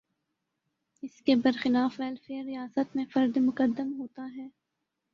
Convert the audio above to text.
اس کے برخلاف ویلفیئر ریاست میں فرد مقدم ہوتا ہے۔